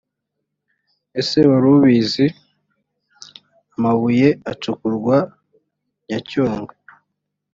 ese wari ubizi?amabuye acukurwa nyacyonga